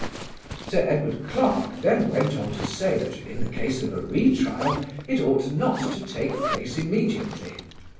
Sir Edward Clarke then went on to say that, in the case of a re trial, it ought not to take place immediately.